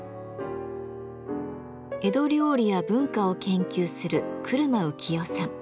江戸料理や文化を研究する車浮代さん。